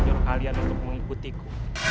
kau menurut kalian untuk mengikutiku